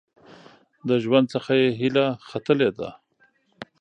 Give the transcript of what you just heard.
د ژوند څخه یې هیله ختلې ده .